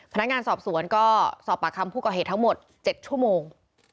พนักงานสอบสวนก็สอบปากคำผู้ก่อเหตุทั้งหมด๗ชั่วโมง